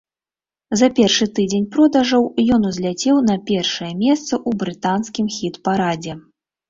За першы тыдзень продажаў ён узляцеў на першае месца ў брытанскім хіт-парадзе.